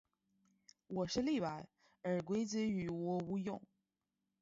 我是例外，而规则于我无用。